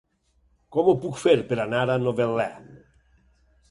Com ho puc fer per anar a Novetlè?